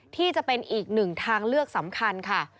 ที่จะเป็นอีกหนึ่งทางเลือกสำคัญค่ะ